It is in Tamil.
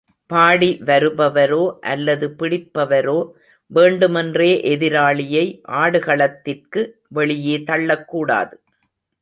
பாடி வருபவரோ அல்லது பிடிப்பவரோ வேண்டுமென்றே எதிராளியை ஆடுகளத்திற்கு வெளியே தள்ளக்கூடாது.